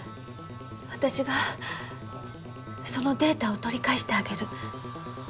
私がそのデータを取り返してあげる。